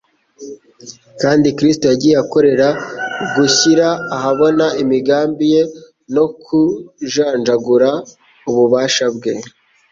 kandi Kristo yagiye akorera gushyira ahabona imigambi ye no kujanjagura ububasha bwe.